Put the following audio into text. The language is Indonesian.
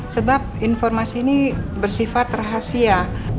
sebab informasi ini bersifat rahasia